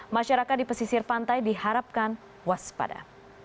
masyarakat di pesisir pantai diharapkan waspada